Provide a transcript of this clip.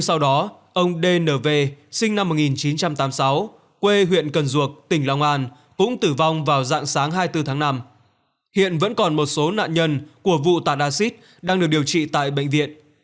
sau đó ông dnv sinh năm một nghìn chín trăm tám mươi sáu quê huyện cần duộc tỉnh long an cũng tử vong vào dạng sáng hai mươi bốn tháng năm hiện vẫn còn một số nạn nhân của vụ tàn acid đang được điều trị tại bệnh viện